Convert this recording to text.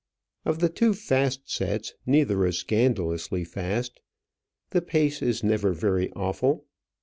Of the two fast sets neither is scandalously fast. The pace is never very awful.